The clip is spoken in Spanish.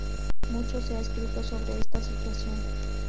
Mucho se ha escrito sobre esta situación.